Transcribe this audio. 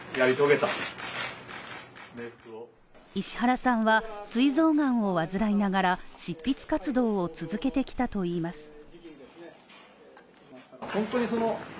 石原さんはすい臓がんを患いながら執筆活動を続けてきたといいます。